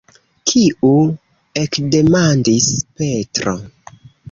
Kiu? ekdemandis Petro.